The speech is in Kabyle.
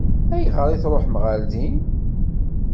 Ayɣer i tṛuḥem ɣer din?